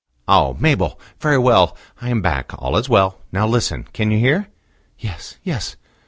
"Oh! Mabel. Very well. I am back: all is well. Now listen. Can you hear?" "Yes, yes."